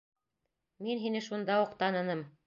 Мин һине шунда уҡ таныным...